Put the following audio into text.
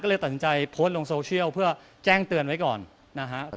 ก็เลยตัดสินใจโพสต์ลงโซเชียลเพื่อแจ้งเตือนไว้ก่อนนะฮะ